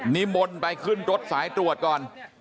นิมนต์ไปขึ้นรถสายตรวจก่อน